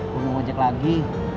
mau ngajak lagi